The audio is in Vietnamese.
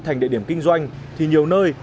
thành địa điểm kinh doanh thì nhiều nơi